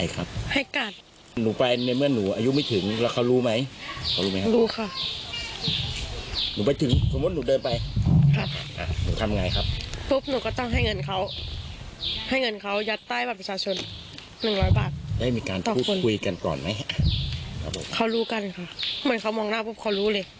เขารู้กันค่ะเหมือนเขามองหน้าปุ๊บเขารู้เลย